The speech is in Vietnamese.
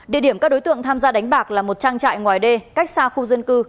địa điểm các đối tượng tham gia đánh bạc là một trang trại ngoài đê cách xa khu dân cư